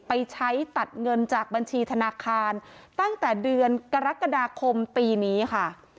ไปใช้ตัดเงินจากบัญชีธนาคารตั้งแต่เดือนกรกฎาคมปีนี้ค่ะ